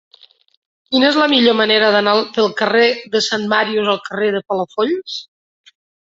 Quina és la millor manera d'anar del carrer de Sant Màrius al carrer de Palafolls?